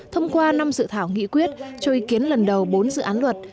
thông qua năm dự thảo nghị quyết cho ý kiến lần đầu bốn dự án luật